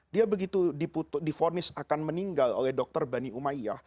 dia begitu diputuk difonis akan meninggal oleh dr bani umaiyah